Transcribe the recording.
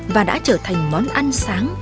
và đã trở thành món ăn sáng